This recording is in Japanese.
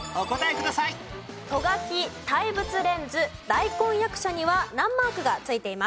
ト書き対物レンズ大根役者には難マークが付いています。